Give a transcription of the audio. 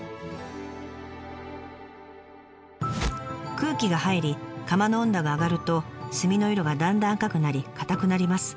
空気が入り窯の温度が上がると炭の色がだんだん赤くなり硬くなります。